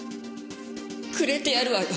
くれてやるわよ